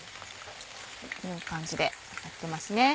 いい感じで揚がってますね。